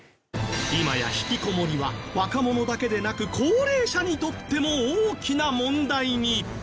今やひきこもりは若者だけでなく高齢者にとっても大きな問題に。